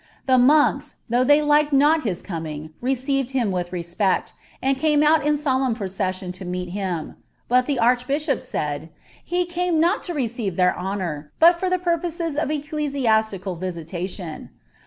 The monks, ^ough they liked not his eoomf , received him with respect, and came out in solemn procession i«ni«Mhim; hut the archbishop said "he eame not to receive honour, hm tar the purposes of ecclesiastical visitatitMi.'"